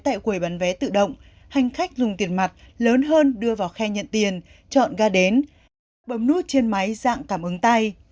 để mua vé tại quầy bán vé tự động hành khách dùng tiền mặt lớn hơn đưa vào khe nhận tiền chọn ga đến bấm nút trên máy dạng cảm ứng tay